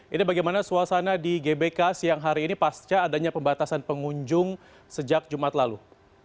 ini bagaimana suasana di gbk siang hari ini pasca adanya pembatasan pengunjung sejak jumat lalu